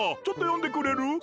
ちょっとよんでくれる？